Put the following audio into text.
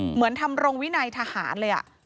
เหมือนทำรงวินัยทหารเลย